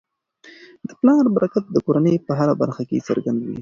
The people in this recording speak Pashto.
د پلار برکت د کورنی په هره برخه کي څرګند وي.